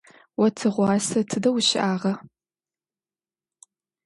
О тыгъуасэ тыдэ ущыӏагъа?